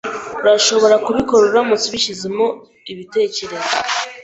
Urashobora kubikora uramutse ubishyizemo ibitekerezo.